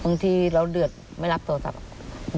บางทีเราเดือดไม่รับโทรศัพท์